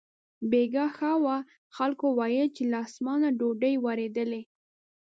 بېګاه ښه و، خلکو ویل چې له اسمانه ډوډۍ ورېدلې.